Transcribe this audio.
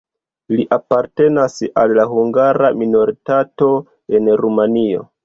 Li apartenas al la hungara minoritato en Rumanio.